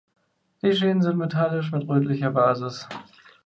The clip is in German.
Die Schienen sind metallisch mit rötlicher Basis.